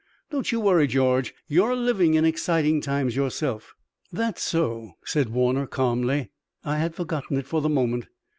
Don't you worry, George. You're living in exciting times yourself." "That's so," said Warner calmly. "I had forgotten it for the moment.